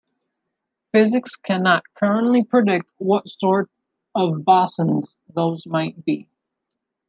Physics cannot currently predict what sort of bosons those might be.